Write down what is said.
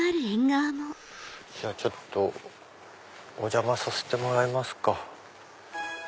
じゃあちょっとお邪魔させてもらいますか。